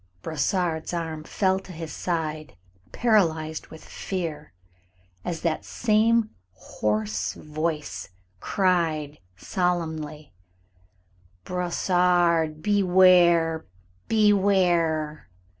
Brossard's arm fell to his side paralyzed with fear, as that same hoarse voice cried, solemnly: "Brossard, beware! Beware!"